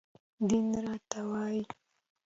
دين راته وايي